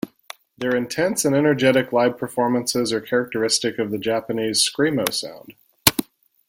Their intense and energetic live performances are characteristic of the Japanese screamo sound.